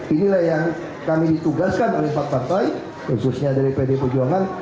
inilah yang kami ditugaskan oleh empat partai khususnya dari pd perjuangan